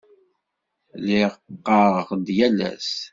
Lliɣ ɣɣareɣ-d yal ass.